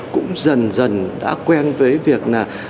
cũng dần dần đã quen với việc